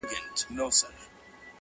له نیکونو په مېږیانو کي سلطان وو،